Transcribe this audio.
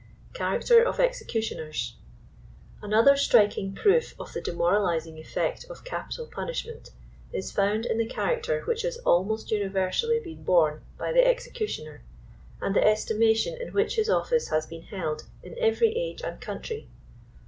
80 CHARACTER OF EXECUTIONERS. Another striking proof of the demoralizing effect of capital punishment, is found in the character which has almost uni versally been borne by the executioner, and the estimation in which his office has been held in every age and country.